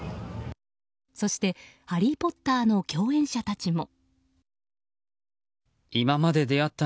そして、「ハリー・ポッター」の共演者たちも。